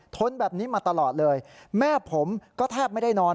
ทนแบบนี้มาตลอดเลยแม่ผมก็แทบไม่ได้นอน